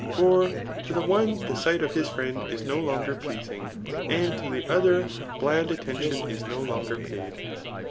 For to the one the sight of his friend is no longer pleasing, and to the oth^r bland at tentioft is no longer paid.